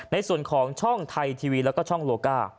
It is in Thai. ในส่วนของช่องไทยทีวีและช่องโลก้า